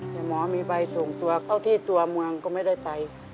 แต่หมอมีใบส่งตัวเข้าที่ตัวเมืองก็ไม่ได้ไป